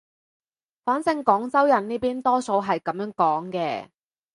反正廣州人呢邊多數係噉樣講嘅